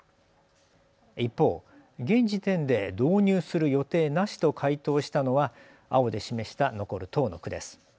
一方、現時点で導入する予定なしと回答したのは青で示した残る１０の区です。